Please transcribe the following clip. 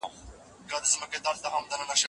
زده کړه او تعليم د ټولنې اساسي حق دی.